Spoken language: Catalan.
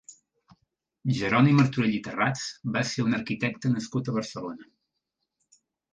Jeroni Martorell i Terrats va ser un arquitecte nascut a Barcelona.